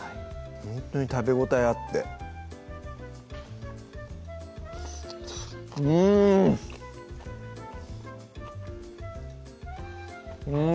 ほんとに食べ応えあってうん！